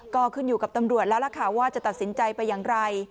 ก็ขึ้นอยู่กับตำรวจแล้วล่ะค่ะว่าจะตัดสินใจไปอย่างไร